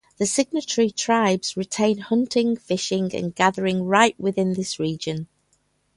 The signatory tribes retain hunting, fishing and gathering right within this region.